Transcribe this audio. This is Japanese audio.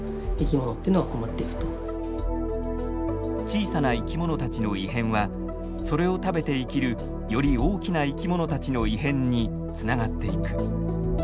小さな生き物たちの異変はそれを食べて生きるより大きな生き物たちの異変につながっていく。